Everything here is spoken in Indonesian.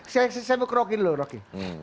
saya mau ke rocky dulu rocky